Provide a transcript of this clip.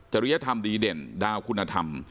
ริยธรรมดีเด่นดาวคุณธรรม